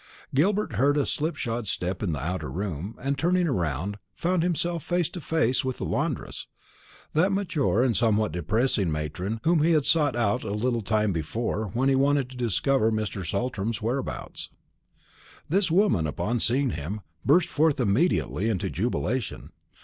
Gilbert heard a slipshod step in the outer room, and turning round, found himself face to face with the laundress that mature and somewhat depressing matron whom he had sought out a little time before, when he wanted to discover Mr. Saltram's whereabouts. This woman, upon seeing him, burst forth immediately into jubilation.